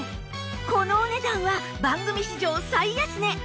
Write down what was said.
このお値段は番組史上最安値